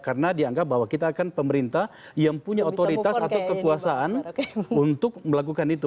karena dianggap bahwa kita kan pemerintah yang punya otoritas atau kepuasaan untuk melakukan itu